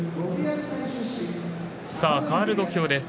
かわる土俵です。